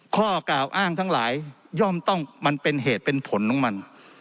ข้อกล่าวอ้างทั้งหลายย่อมต้องมันเป็นเหตุเป็นผลของมัน